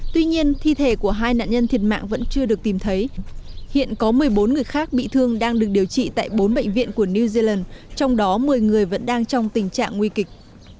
tuy nhiên thi thể của hai nạn nhân thiệt mạng vẫn chưa được tìm thấy hiện có một mươi bốn người khác bị thương đang được điều trị tại bốn bệnh viện của new zealand trong đó một mươi người vẫn đang trong tình trạng nguy kịch